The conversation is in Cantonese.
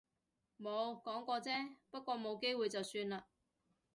冇，講過啫。不過冇機會就算喇